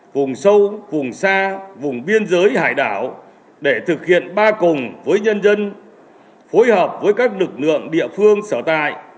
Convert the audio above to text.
vùng sâu vùng xa vùng biên giới hải đảo để thực hiện ba cùng với nhân dân phối hợp với các lực lượng địa phương sở tại